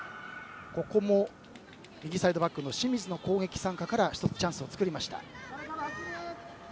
ここも右サイドバックの清水の攻撃参加から１つ、チャンスを作りました。